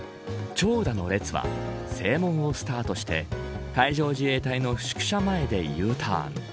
長蛇の列は正門をスタートして海上自衛隊の宿舎前でＵターン。